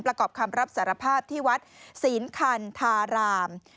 ประกอบคำรับสารภาพที่วัดศีลคันธาราม